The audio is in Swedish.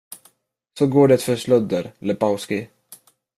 Så går det för slödder, Lebowski.